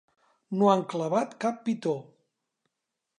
No han clavat cap pitó.